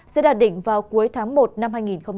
sẽ đạt đỉnh vào cuối tháng một năm hai nghìn hai mươi